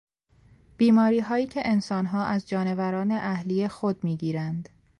بیماریهایی که انسانها از جانوران اهلی خود میگیرند